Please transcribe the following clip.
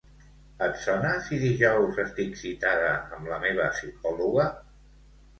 Et sona si dijous estic citada amb la meva psicòloga?